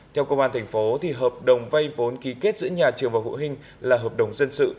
theo công an thành phố hợp đồng vay vốn ký kết giữa nhà trường và hộ huynh là hợp đồng dân sự